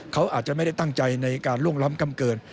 เขาอาจจะไม่ได้ตั้งใจในการล่วงล้ำกำเกิน